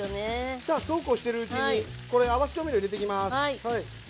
さあそうこうしてるうちにこれ合わせ調味料入れてきます。